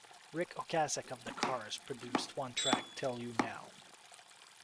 Ric Ocasek of the Cars produced one track, "Tell You Now".